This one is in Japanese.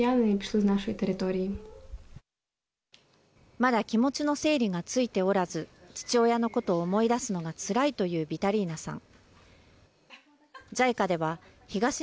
まだ気持ちの整理がついておらず、父親のことを思い出すのがつらいというビタリーナさん。